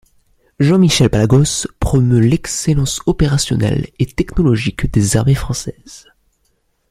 Jean-Michel Palagos promeut l'excellence opérationnelle et technologique des armées françaises.